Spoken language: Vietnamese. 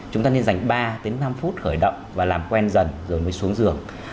chúng ta nên dành ba năm phút khởi động và làm quen dần rồi mới xuống giường